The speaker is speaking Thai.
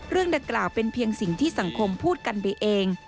เรื่องดังกล่าวเป็นเพียงสิ่งที่สังคมพูดกันไปเอง